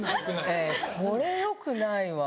これよくないわ。